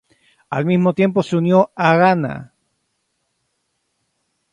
Al mismo tiempo se unió a la Haganá.